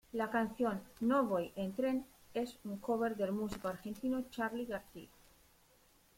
La canción "No voy en tren" es un cover del músico argentino Charly García.